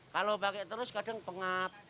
kalau pakai terus kadang pengap